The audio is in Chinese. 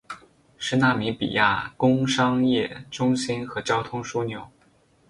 是纳米比亚工商业中心和交通枢纽。